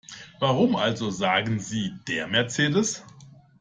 Warum also sagen Sie DER Mercedes?